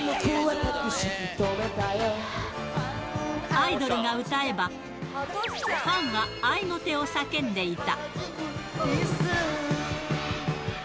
アイドルが歌えば、ファンは合いの手を叫んでいた。